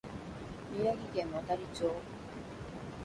宮城県亘理町